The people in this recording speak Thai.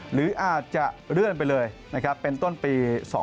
หรืออาจจะเลื่อนไปเลยเป็นต้นปี๒๑๖๔